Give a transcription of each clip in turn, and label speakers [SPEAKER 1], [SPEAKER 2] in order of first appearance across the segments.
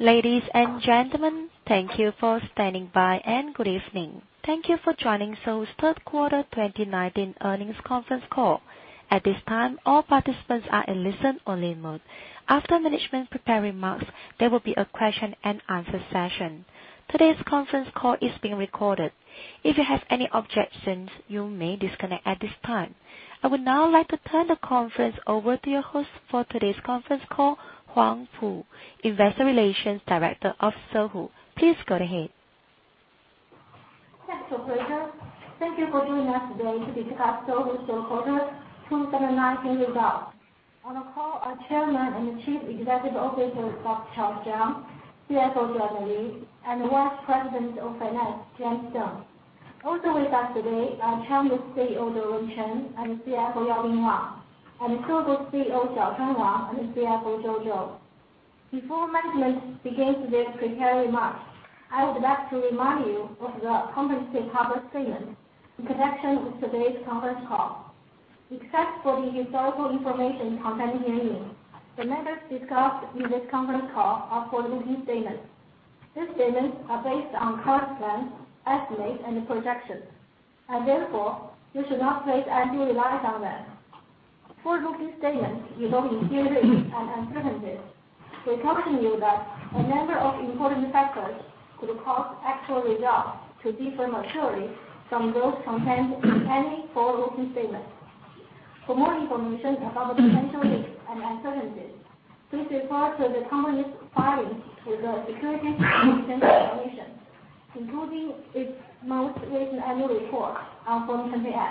[SPEAKER 1] Ladies and gentlemen, thank you for standing by, and good evening. Thank you for joining Sohu's third quarter 2019 earnings conference call. At this time, all participants are in listen only mode. After management prepared remarks, there will be a question and answer session. Today's conference call is being recorded. If you have any objections, you may disconnect at this time. I would now like to turn the conference over to your host for today's conference call, Huang Pu, Investor Relations Director of Sohu. Please go ahead.
[SPEAKER 2] Thanks, operator. Thank you for joining us today to discuss Sohu's third quarter 2019 results. On the call are Chairman and Chief Executive Officer, Charles Zhang, CFO, Joanna Lv, and Vice President of Finance, James Deng. Also with us today are Changyou CEO, Dewen Chen, and CFO, Yaobin Wang, and Sogou CEO, Xiaochuan Wang, and CFO, Joe Zhou. Before management begins their prepared remarks, I would like to remind you of the company's safe harbor statement in connection with today's conference call. Except for the historical information contained herein, the matters discussed in this conference call are forward-looking statements. These statements are based on current plans, estimates and projections, and therefore you should not place undue reliance on them. Forward-looking statements involve inherent risks and uncertainties. We caution you that a number of important factors could cause actual results to differ materially from those contained in any forward-looking statements. For more information about potential risks and uncertainties, please refer to the company's filings with the Securities and Exchange Commission, including its most recent annual report on Form 10-K.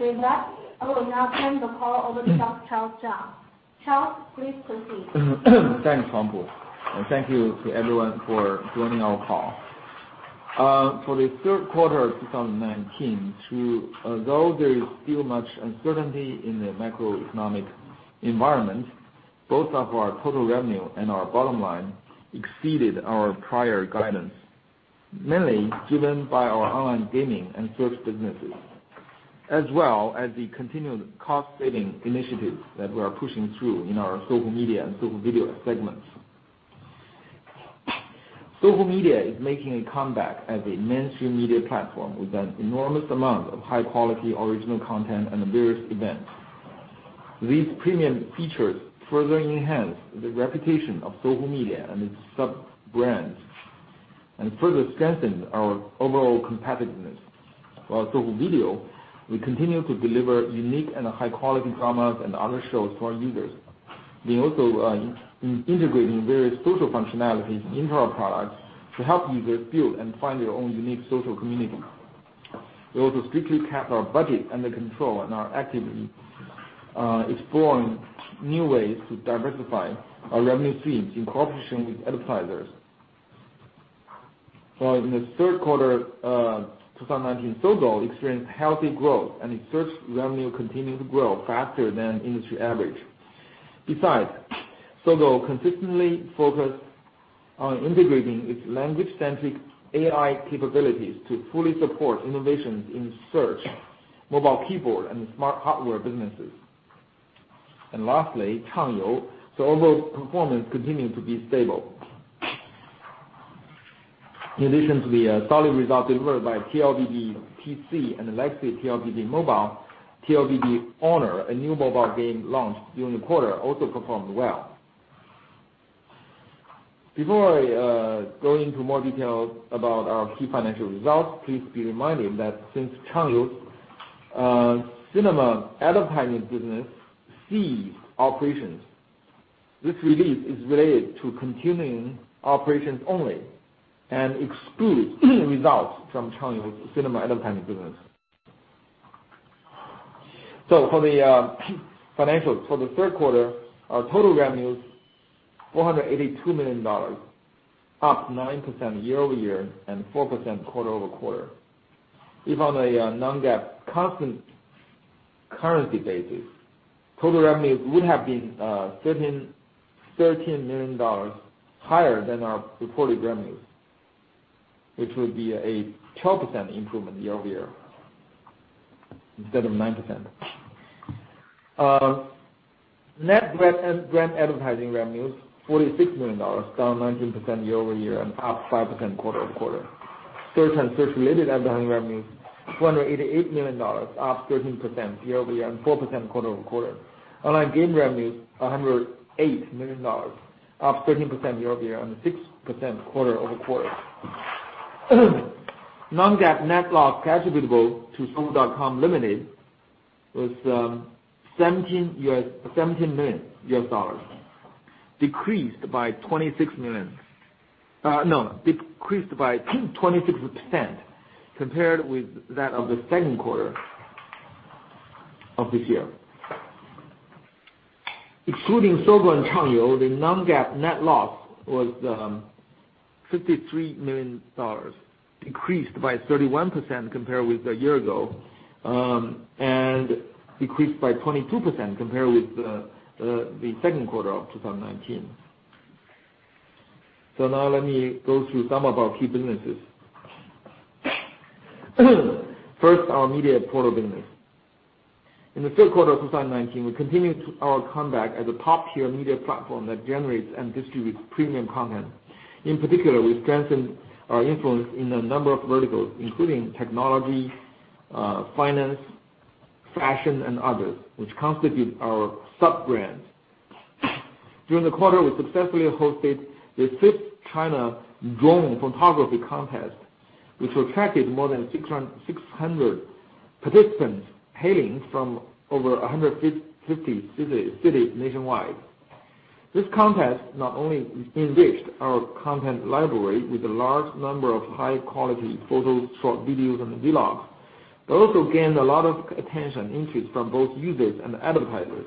[SPEAKER 2] With that, I will now turn the call over to Charles Zhang. Charles, please proceed.
[SPEAKER 3] Thanks, Huang Pu, and thank you to everyone for joining our call. For the third quarter of 2019, although there is still much uncertainty in the macroeconomic environment, both of our total revenue and our bottom line exceeded our prior guidance, mainly driven by our online gaming and search businesses, as well as the continued cost-saving initiatives that we are pushing through in our Sohu Media and Sohu Video segments. Sohu Media is making a comeback as a mainstream media platform with an enormous amount of high-quality original content and various events. These premium features further enhance the reputation of Sohu Media and its sub-brands, and further strengthen our overall competitiveness. For Sohu Video, we continue to deliver unique and high-quality dramas and other shows to our users. We also are integrating various social functionalities into our products to help users build and find their own unique social community. We also strictly kept our budget under control and are actively exploring new ways to diversify our revenue streams in cooperation with advertisers. In the 3rd quarter of 2019, Sogou experienced healthy growth, and its search revenue continued to grow faster than industry average. Besides, Sogou consistently focused on integrating its language-centric AI capabilities to fully support innovations in search, mobile keyboard, and smart hardware businesses. Changyou, although performance continued to be stable. In addition to the solid results delivered by TLBB PC and the Legacy TLBB Mobile, TLBB Honor, a new mobile game launched during the quarter, also performed well. Before I go into more detail about our key financial results, please be reminded that since Changyou Cinema Advertising business ceased operations, this release is related to continuing operations only and excludes results from Changyou Cinema Advertising business. For the third quarter, our total revenue was $482 million, up 9% year-over-year and 4% quarter-over-quarter. If on a non-GAAP constant currency basis, total revenues would have been $13 million higher than our reported revenues, which would be a 12% improvement year-over-year instead of 9%. Net brand advertising revenues, $46 million, down 19% year-over-year and up 5% quarter-over-quarter. Search and search-related advertising revenues, $288 million, up 13% year-over-year and 4% quarter-over-quarter. Online game revenues, $108 million, up 13% year-over-year and 6% quarter-over-quarter. Non-GAAP net loss attributable to Sohu.com Limited was $17 million, decreased by 26% compared with that of the second quarter of this year. Excluding Sogou and Changyou, the non-GAAP net loss was $53 million, decreased by 31% compared with a year ago, and decreased by 22% compared with the second quarter of 2019. Now let me go through some of our key businesses. First, our media portal business. In the third quarter of 2019, we continued our comeback as a top-tier media platform that generates and distributes premium content. In particular, we strengthened our influence in a number of verticals, including technology, finance, fashion, and others, which constitute our sub-brands. During the quarter, we successfully hosted the fifth China Drone Photography Contest, which attracted more than 600 participants hailing from over 150 cities nationwide. This contest not only enriched our content library with a large number of high-quality photos, short videos, and vlogs, but also gained a lot of attention and interest from both users and advertisers.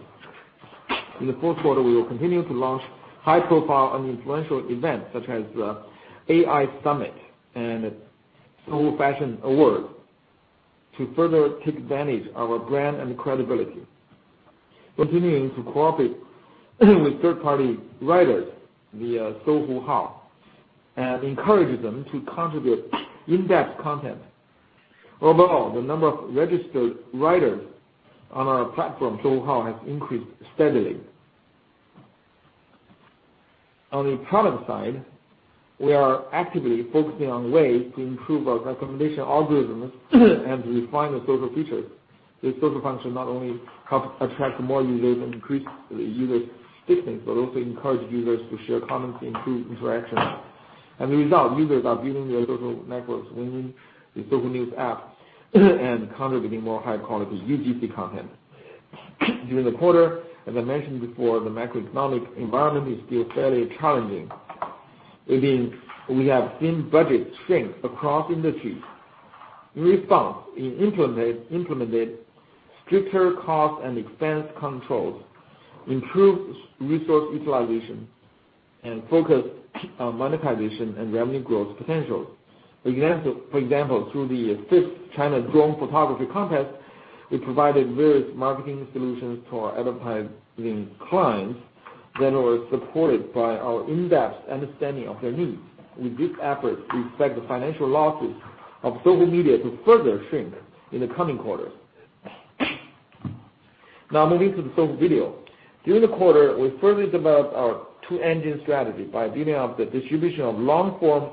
[SPEAKER 3] In the fourth quarter, we will continue to launch high-profile and influential events such as the AI Summit and Sohu Fashion Awards to further take advantage of our brand and credibility. Continuing to cooperate with third-party writers via Sohu Hao and encouraging them to contribute in-depth content. Overall, the number of registered writers on our platform, Sohu Hao, has increased steadily. On the product side, we are actively focusing on ways to improve our recommendation algorithms and refine the social features. The social function not only helps attract more users and increase user stickiness, but also encourage users to share comments to improve interaction. As a result, users are building their social networks within the Sohu News App and contributing more high-quality UGC content. During the quarter, as I mentioned before, the macroeconomic environment is still fairly challenging. We have seen budgets shrink across industries. In response, we implemented stricter cost and expense controls, improved resource utilization, and focused on monetization and revenue growth potential. For example, through the fifth China Drone Photography Contest, we provided various marketing solutions to our advertising clients that were supported by our in-depth understanding of their needs. With this effort, we expect the financial losses of Sohu Media to further shrink in the coming quarters. Moving to the Sohu Video. During the quarter, we further developed our two-engine strategy by building up the distribution of long-form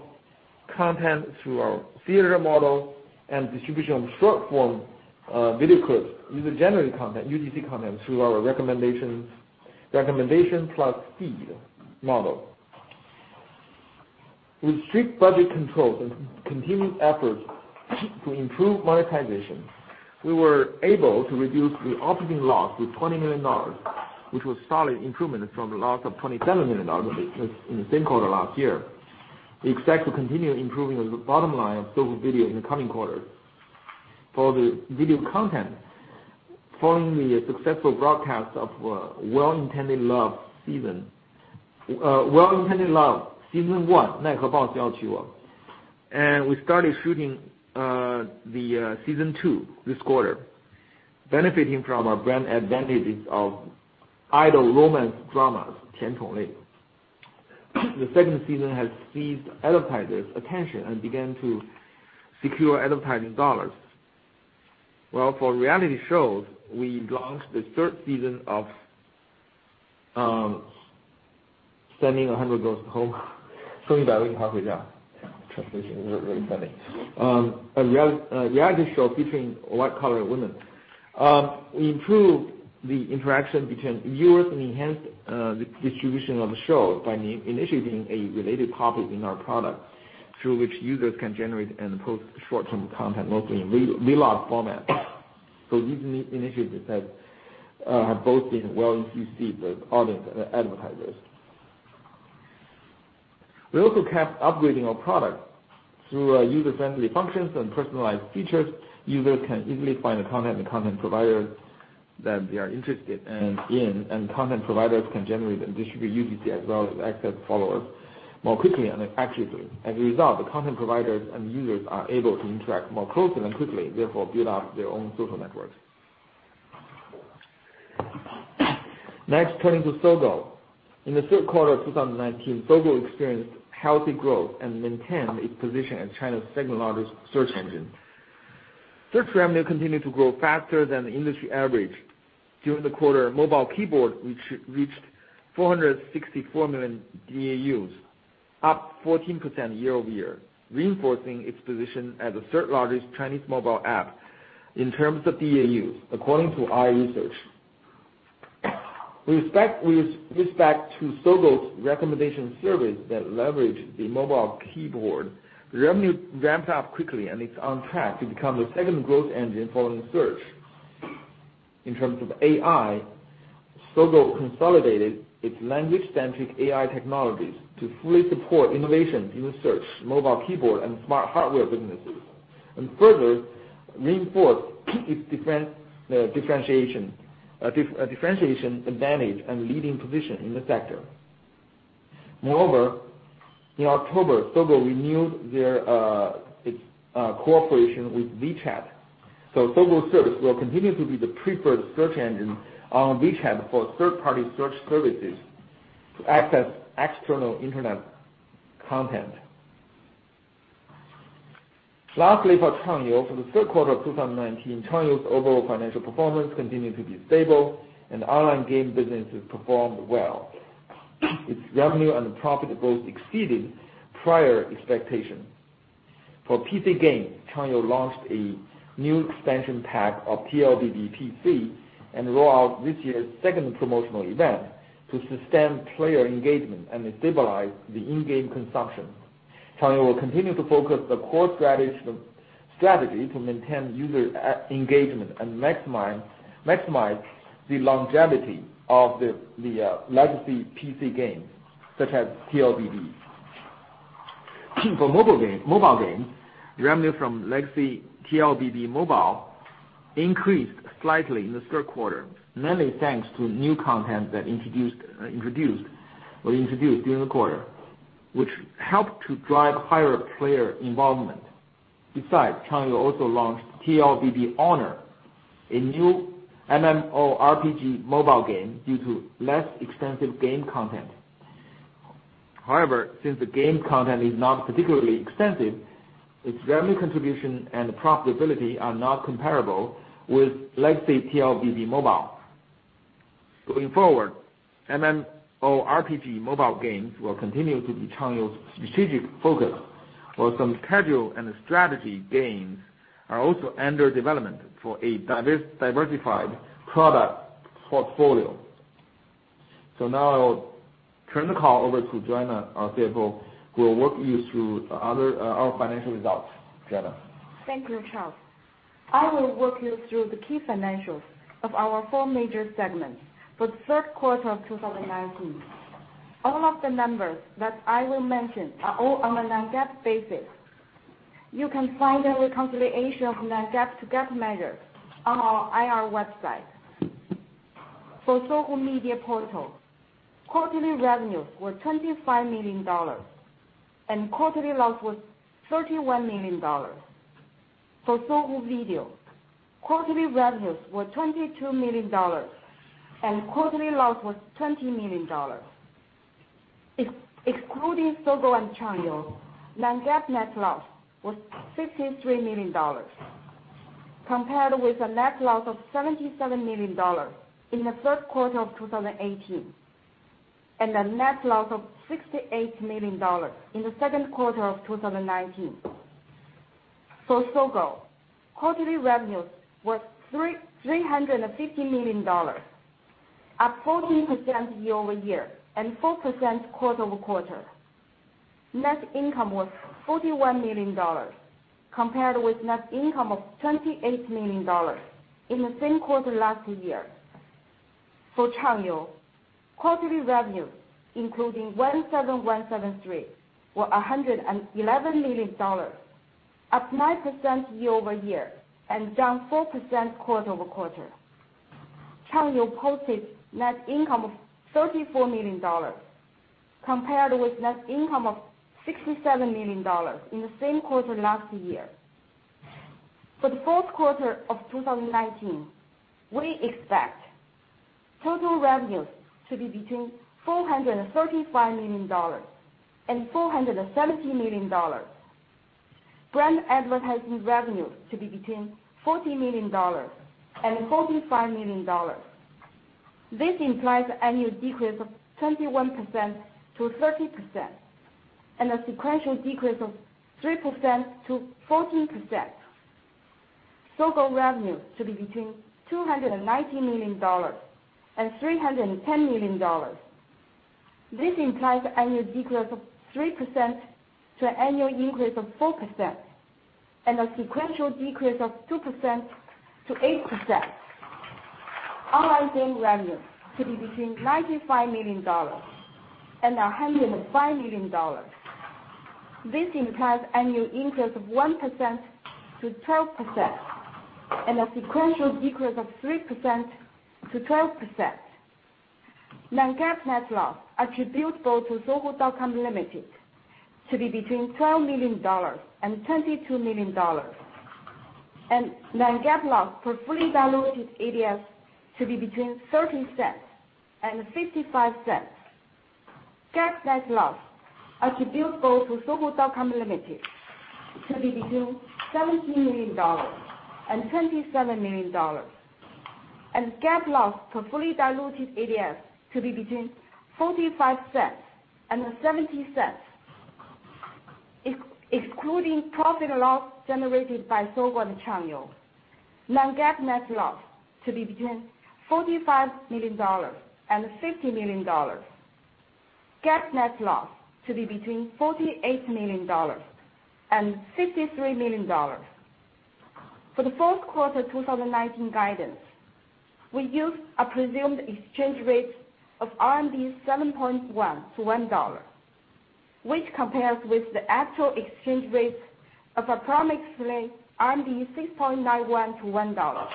[SPEAKER 3] content through our theater model and distribution of short-form video clips, user-generated content, UGC content, through our recommendation plus feed model. With strict budget controls and continued efforts to improve monetization, we were able to reduce the operating loss to $20 million, which was a solid improvement from the loss of $27 million in the same quarter last year. We expect to continue improving the bottom line of Sohu Video in the coming quarters. For the video content, following the successful broadcast of Well-Intended Love Season 1, we started shooting the Season 2 this quarter, benefiting from our brand advantages of idol romance dramas. The second season has seized advertisers' attention and began to secure advertising dollars. While for reality shows, we launched the third season of Send 100 Girls Home, "Send 100 Girls Home" translation is really funny. A reality show featuring white-collar women. We improved the interaction between viewers and enhanced the distribution of the show by initiating a related topic in our product through which users can generate and post short-term content, mostly in vlog format. These initiatives have both been well received with audience and advertisers. We also kept upgrading our product. Through user-friendly functions and personalized features, users can easily find the content and content providers that they are interested in, content providers can generate and distribute UGC as well as access followers more quickly and effectively. As a result, the content providers and users are able to interact more closely and quickly, therefore build out their own social networks. Next, turning to Sogou. In the third quarter of 2019, Sogou experienced healthy growth and maintained its position as China's second-largest search engine. Search revenue continued to grow faster than the industry average. During the quarter, mobile keyboard reached 464 million DAUs, up 14% year-over-year, reinforcing its position as the third largest Chinese mobile app in terms of DAUs, according to our research. With respect to Sogou's recommendation service that leverage the mobile keyboard, revenue ramped up quickly and it's on track to become the second growth engine following search. In terms of AI, Sogou consolidated its language-centric AI technologies to fully support innovations in search, mobile keyboard, and smart hardware businesses, and further reinforced its differentiation, advantage, and leading position in the sector. Moreover, in October, Sogou renewed its cooperation with WeChat. Sogou service will continue to be the preferred search engine on WeChat for third-party search services to access external internet content. Lastly, for Changyou, for the third quarter of 2019, Changyou's overall financial performance continued to be stable, and online game businesses performed well. Its revenue and profit both exceeded prior expectations. For PC games, Changyou launched a new expansion pack of TLBB PC, and roll out this year's second promotional event to sustain player engagement and stabilize the in-game consumption. Changyou will continue to focus the core strategy to maintain user engagement and maximize the longevity of the legacy PC games such as TLBB. For mobile games, revenue from legacy TLBB Mobile increased slightly in the third quarter, mainly thanks to new content that was introduced during the quarter, which helped to drive higher player involvement. Besides, Changyou also launched TLBB Honor, a new MMORPG mobile game due to less expensive game content. However, since the game content is not particularly extensive, its revenue contribution and profitability are not comparable with legacy TLBB Mobile. Going forward, MMORPG mobile games will continue to be Changyou's strategic focus, while some casual and strategy games are also under development for a diversified product portfolio. Now I will turn the call over to Joanna, our CFO, who will walk you through our financial results. Joanna?
[SPEAKER 4] Thank you, Charles. I will walk you through the key financials of our four major segments for the third quarter of 2019. All of the numbers that I will mention are all on a non-GAAP basis. You can find a reconciliation of non-GAAP to GAAP measures on our IR website. For Sohu Media Portal, quarterly revenues were $25 million, and quarterly loss was $31 million. For Sohu Video, quarterly revenues were $22 million, and quarterly loss was $20 million. Excluding Sohu and Changyou, non-GAAP net loss was $63 million, compared with a net loss of $77 million in the third quarter of 2018, and a net loss of $68 million in the second quarter of 2019. For Sohu, quarterly revenues were $350 million, up 14% year-over-year and 4% quarter-over-quarter. Net income was $41 million, compared with net income of $28 million in the same quarter last year. For Changyou, quarterly revenue including 17173.com were $111 million, up 9% year-over-year and down 4% quarter-over-quarter. Changyou posted net income of $34 million, compared with net income of $67 million in the same quarter last year. For the fourth quarter of 2019, we expect total revenues to be between $435 million and $470 million. Brand advertising revenues to be between $40 million and $45 million. This implies annual decrease of 21%-30%, and a sequential decrease of 3%-14%. Sohu revenue to be between $290 million and $310 million. This implies annual decrease of 3% to an annual increase of 4%, and a sequential decrease of 2%-8%. Online game revenue to be between $95 million and $105 million. This implies annual increase of 1%-12%, and a sequential decrease of 3%-12%. Non-GAAP net loss attributable to Sohu.com Limited to be between $12 million and $22 million. Non-GAAP loss per fully diluted ADS to be between $0.30 and $0.55. GAAP net loss attributable to Sohu.com Limited to be between $17 million and $27 million. GAAP loss per fully diluted ADS to be between $0.45 and $0.70. Excluding profit and loss generated by Sohu and Changyou, non-GAAP net loss to be between $45 million and $50 million. GAAP net loss to be between $48 million and $53 million. For the fourth quarter 2019 guidance, we used a presumed exchange rate of RMB 7.1 to $1, which compares with the actual exchange rate of approximately RMB 6.91 to $1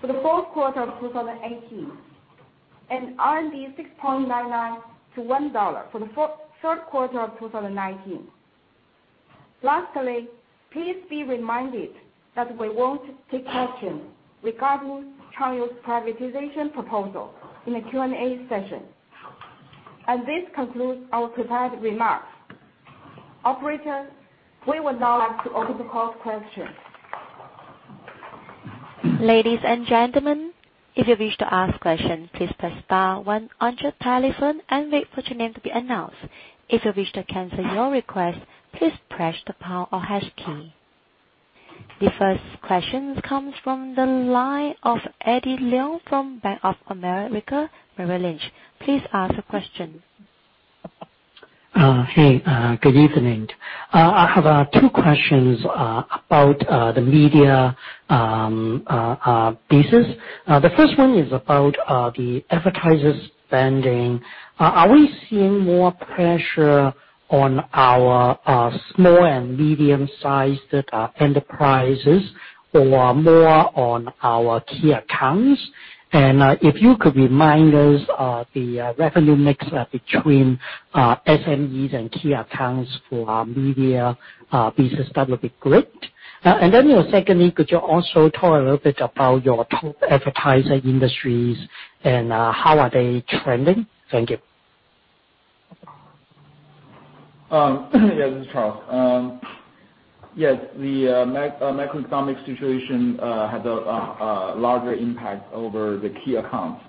[SPEAKER 4] for the fourth quarter of 2018, and RMB 6.99 to $1 for the third quarter of 2019. Please be reminded that we won't take questions regarding Changyou's privatization proposal in the Q&A session. This concludes our prepared remarks. Operator, we would now like to open the call for questions.
[SPEAKER 1] Ladies and gentlemen, if you wish to ask questions, please press star one on your telephone and wait for your name to be announced. If you wish to cancel your request, please press the pound or hash key. The first question comes from the line of Eddie Leung from Bank of America Merrill Lynch. Please ask the question.
[SPEAKER 5] Hey, good evening. I have two questions about the media business. The first one is about the advertisers spending. Are we seeing more pressure on our small and medium-sized enterprises or more on our key accounts? If you could remind us of the revenue mix between SMEs and key accounts for our media business, that would be great. Secondly, could you also talk a little bit about your top advertiser industries and how are they trending? Thank you.
[SPEAKER 3] Yeah. This is Charles. Yes, the macroeconomic situation had a larger impact over the key accounts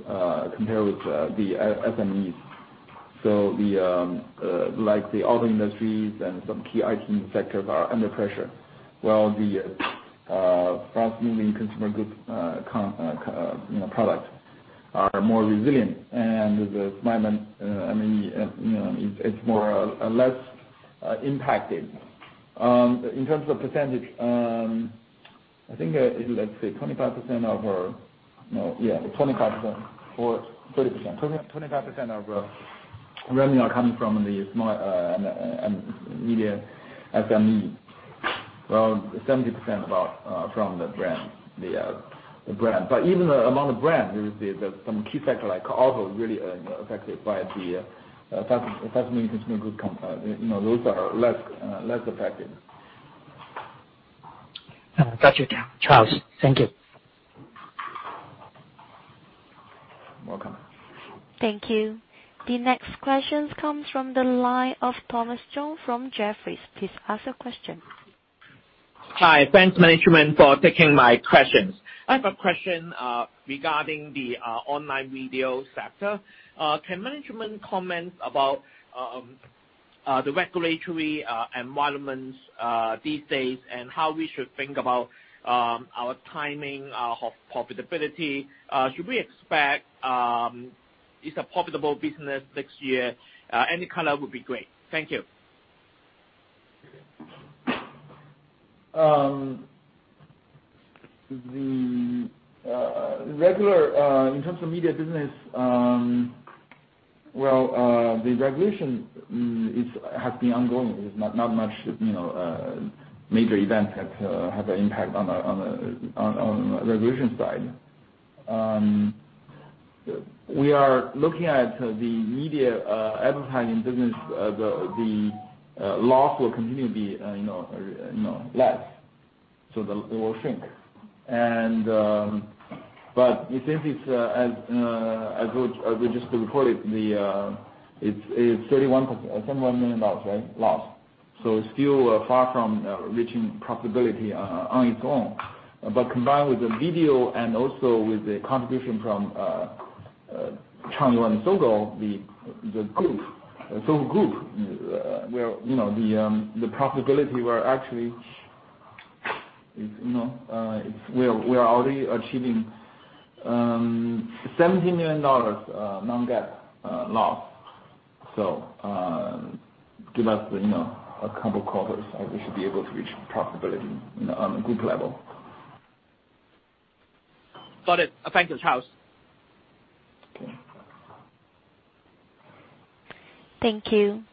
[SPEAKER 3] compared with the SMEs. The auto industries and some key IT sectors are under pressure, while the fast-moving consumer goods products are more resilient and it's less impacted. In terms of percentage, I think it is 25% or 30%. 25% of revenue are coming from the media SME. Around 70% from the brand. Even among the brands, you will see that some key sectors like auto is really affected by the fast-moving consumer goods companies. Those are less affected.
[SPEAKER 5] Got you, Charles. Thank you.
[SPEAKER 3] Welcome.
[SPEAKER 1] Thank you. The next question comes from the line of Thomas Chong from Jefferies. Please ask your question.
[SPEAKER 6] Hi. Thanks management for taking my questions. I have a question regarding the online video sector. Can management comment about the regulatory environments these days and how we should think about our timing, our profitability? Should we expect it's a profitable business next year? Any color would be great. Thank you.
[SPEAKER 3] The regular, in terms of media business, well, the regulation has been ongoing. There is not much major events that have an impact on the regulation side. We are looking at the media advertising business, the loss will continue to be less, it will shrink. I think as we just reported, it is $31 million, right? Loss. Still far from reaching profitability on its own. Combined with the video and also with the contribution from Changyou and Sogou, the Sohu Group, the profitability we are already achieving $17 million non-GAAP loss. Give us a couple of quarters and we should be able to reach profitability on a group level.
[SPEAKER 6] Got it. Thank you, Charles.
[SPEAKER 1] Thank you.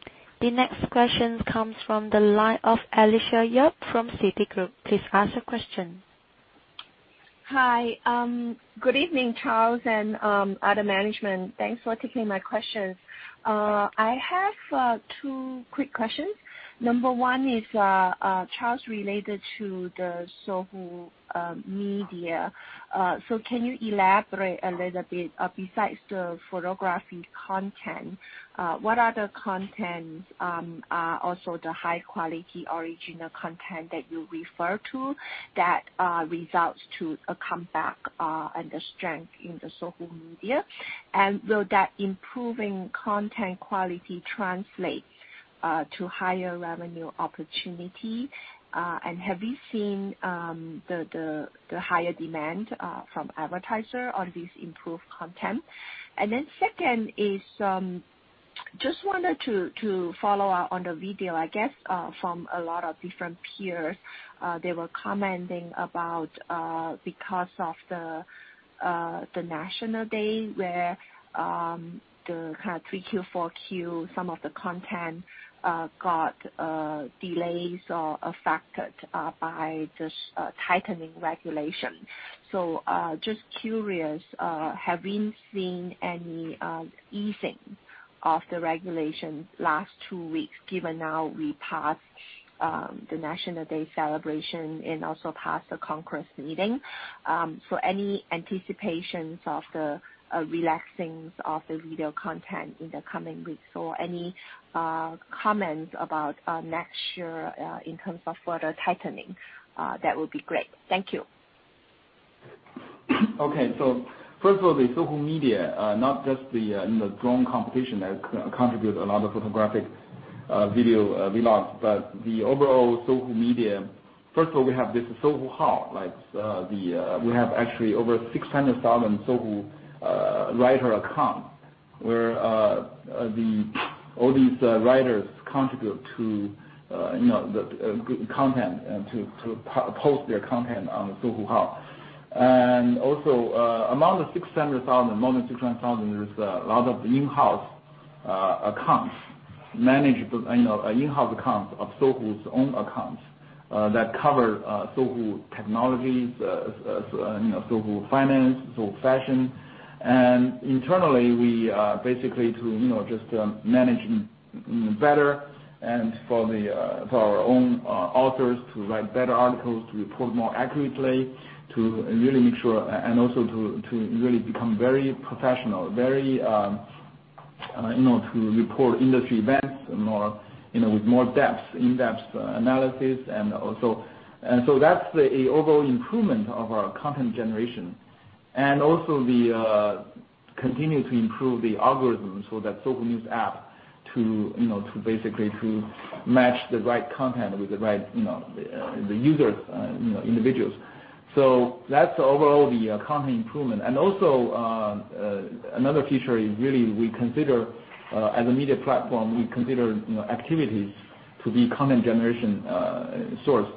[SPEAKER 1] The next question comes from the line of Alicia Yap from Citigroup. Please ask the question.
[SPEAKER 7] Hi. Good evening, Charles and other management. Thanks for taking my questions. I have two quick questions. Number one is, Charles, related to the Sohu Media. Can you elaborate a little bit, besides the photography content, what other contents are also the high-quality original content that you refer to that results to a comeback and a strength in the Sohu Media? Will that improving content quality translate to higher revenue opportunity? Have you seen the higher demand from advertisers on this improved content? Second is, just wanted to follow up on the Sohu Video, I guess, from a lot of different peers. They were commenting about, because of the National Day, where the kind of 3Q, 4Q, some of the content got delays or affected by this tightening regulation. Just curious, have you seen any easing of the regulation last two weeks, given now we passed the National Day celebration and also passed the Congress meeting? Any anticipations of the relaxings of the video content in the coming weeks or any comments about next year, in terms of further tightening? That would be great. Thank you.
[SPEAKER 3] Okay. First of all, the Sohu Media, not just in the Drone Photography Contest that contribute a lot of photographic video vlogs, but the overall Sohu Media, first of all, we have this Sohu Hao, we have actually over 600,000 Sohu writer accounts, where all these writers contribute to post their content on the Sohu Hao. Among the 600,000, there's a lot of in-house accounts of Sohu's own accounts that cover Sohu Technology, Sohu Finance, Sohu Fashion. Internally, basically to just manage better and for our own authors to write better articles, to report more accurately, and also to really become very professional, to report industry events with more in-depth analysis. That's the overall improvement of our content generation. We continue to improve the algorithm so that Sohu News App to basically to match the right content with the right individuals. That's overall the content improvement. Another feature is really, as a media platform, we consider activities to be content generation source.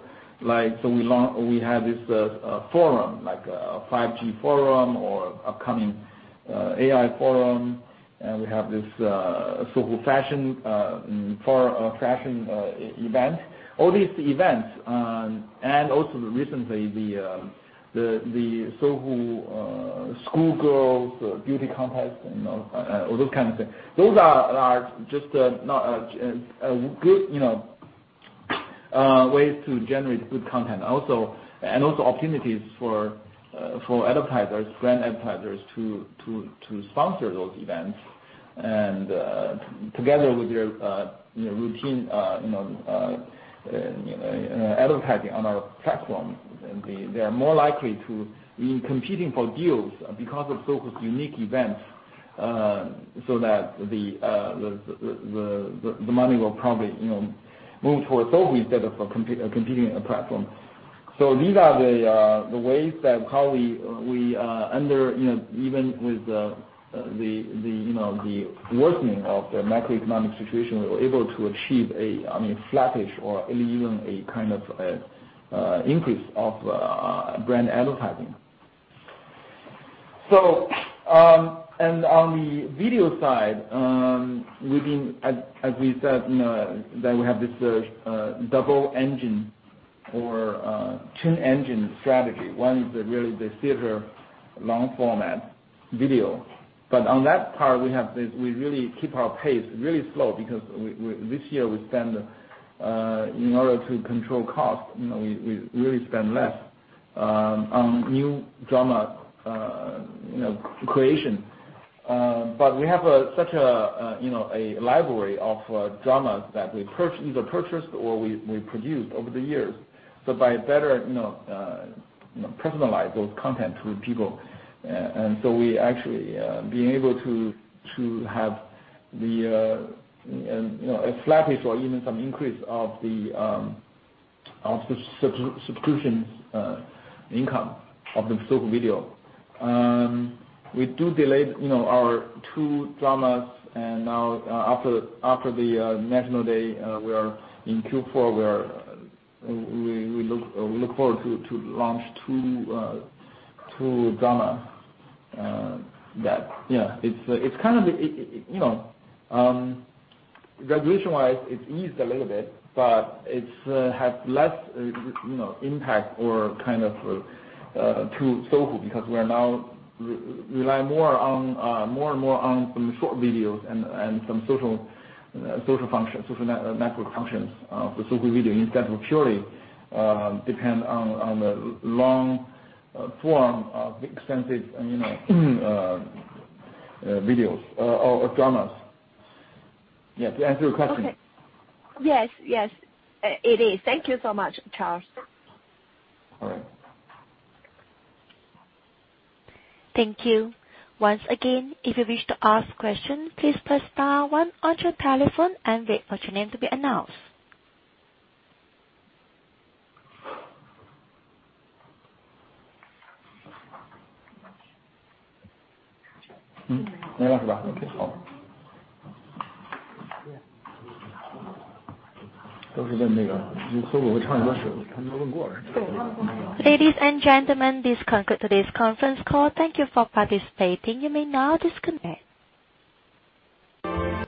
[SPEAKER 3] We have this forum, like a 5G forum or upcoming AI forum, and we have this Sohu fashion event. All these events, and also recently the Sohu School Girls Beauty Contest and all those kind of things. Those are just good ways to generate good content. Opportunities for brand advertisers to sponsor those events and together with their routine advertising on our platform. They are more likely to be competing for deals because of Sohu's unique events, so that the money will probably move towards Sohu instead of a competing platform. These are the ways that how we, even with the worsening of the macroeconomic situation, we were able to achieve a flattish or even a kind of increase of brand advertising. On the video side, as we said, that we have this double engine or twin engine strategy. One is really the theater long format video. On that part, we really keep our pace really slow because this year, in order to control cost, we really spend less on new drama creation. We have such a library of dramas that we either purchased or we produced over the years. By better personalize those content to people. We actually being able to have a flattish or even some increase of the subscriptions income of the Sohu Video. We do delay our two dramas, and now after the National Day, in Q4, we look forward to launch two dramas. Regulation-wise, it's eased a little bit, but it has less impact to Sohu because we are now rely more and more on some short videos and some social network functions of the Sohu Video instead of purely depend on the long form of extensive videos or dramas. Yeah. To answer your question.
[SPEAKER 7] Okay. Yes. It is. Thank you so much, Charles.
[SPEAKER 3] All right.
[SPEAKER 1] Thank you. Once again, if you wish to ask questions, please press star one on your telephone and wait for your name to be announced. Ladies and gentlemen, this concludes today's conference call. Thank you for participating. You may now disconnect.